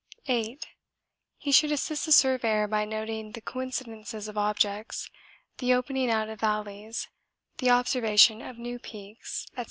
8. He should assist the surveyor by noting the coincidences of objects, the opening out of valleys, the observation of new peaks, &c.